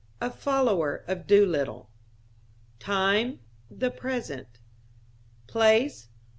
A follower of Doolittle. Time.... The Present. Place....